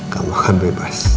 kamu akan bebas